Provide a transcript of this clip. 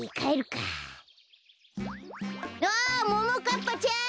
あっももかっぱちゃん！